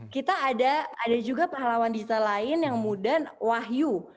kita ada juga pahlawan digital lain yang kemudian wahyu